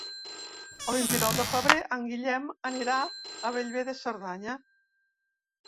El vint-i-nou de febrer en Guillem anirà a Bellver de Cerdanya.